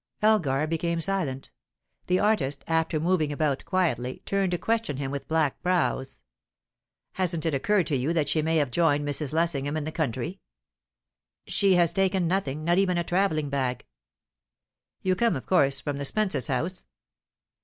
Elgar became silent. The artist, after moving about quietly, turned to question him with black brows. "Hasn't it occurred to you that she may have joined Mrs. Lessingham in the country?" "She has taken nothing not even a travelling bag." "You come, of course, from the Spences' house?"